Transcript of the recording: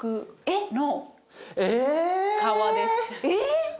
えっ。